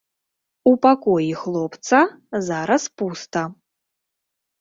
У пакоі хлопца зараз пуста.